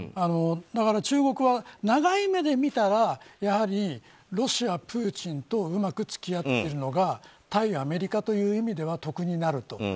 中国は長い目で見たらやはりロシア、プーチンとうまく付き合っていくのが対アメリカという意味では得になると。